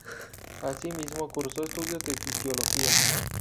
Asimismo cursó estudios de Fisiología.